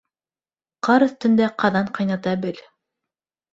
Ҡар өҫтөндә ҡаҙан ҡайната бел.